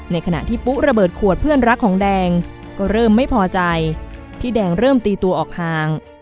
ในขณะที่ปุ๊ระเบิดขวดเพื่อนรักของแดงก็เริ่มไม่พอใจที่แดงเริ่มตีตัวออกห่าง